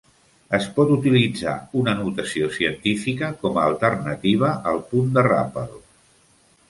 Es pot utilitzar una notació científica com a alternativa al punt de ràpel.